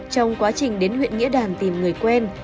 trong quá trình đến huyện nghĩa đàn tìm người quen